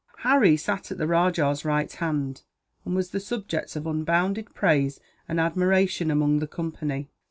Harry sat at the rajah's right hand, and was the subject of unbounded praise and admiration among the company.